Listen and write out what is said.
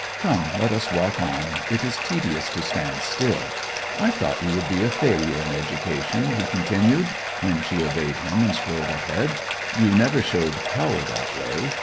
Come, let us walk on; it is tedious to stand still. I thought you would be a failure in education,' he continued, when she obeyed him and strolled ahead. 'You never showed power that way.